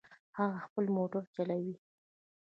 هغه خپل موټر چلوي